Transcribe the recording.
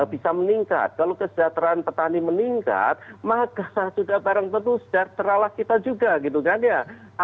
bisa meningkat kalau kesejahteraan petani meningkat maka sudah barang tentu seteralah kita juga